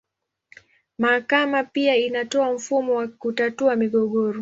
Mahakama pia inatoa mfumo wa kutatua migogoro.